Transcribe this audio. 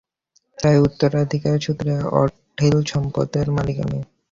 তাই, উত্তরাধিকার সূত্রে অঢেল সম্পদের মালিক আমি।